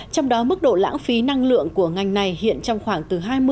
trong đó mức độ lãng phí năng lượng của ngành này hiện trong khoảng hai mươi hai mươi năm